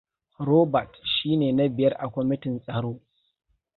Robert shi ne na biyar a kwamitin tsaro.